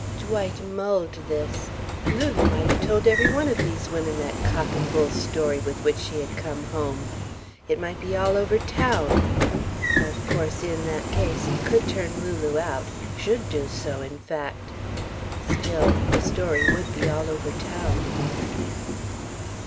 Dwight mulled this. Lulu might have told every one of these women that cock and bull story with which she had come home. It might be all over town. Of course, in that case he could turn Lulu out should do so, in fact. Still the story would be all over town.